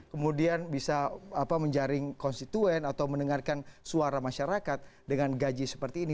kemudian bisa menjaring konstituen atau mendengarkan suara masyarakat dengan gaji seperti ini